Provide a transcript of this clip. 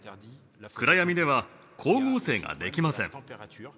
暗闇では光合成ができません。